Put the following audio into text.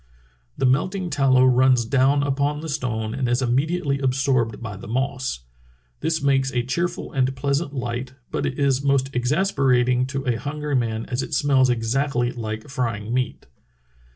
The melting tallow runs down upon the stone and is immediately absorbed by the moss. This makes a cheerful and pleasant light, but is most exasperating to a hungry man as it smells exactly like frying meat.